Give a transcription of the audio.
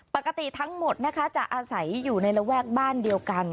ปกติทั้งหมดนะคะจะอาศัยอยู่ในระแวกบ้านเดียวกัน